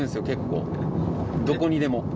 結構どこにでも。